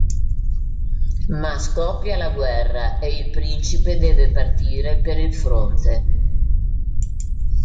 Ma scoppia la guerra e il principe deve partire per il fronte.